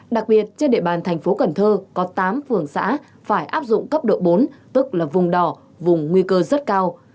đặc biệt trên địa bàn thành phố cần thơ có tám phường xã phải áp dụng cấp độ bốn tức là vùng đỏ vùng nguy cơ rất cao